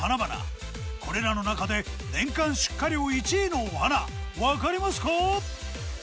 これらの中で年間出荷量１位のお花わかりますか？